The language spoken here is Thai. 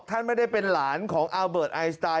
ท่านไม่ได้เป็นหลานของอัลเบิร์ตไอสไตล